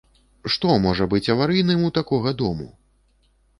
Што можа быць аварыйным у такога дому?